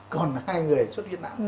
còn hai người xuất hiện não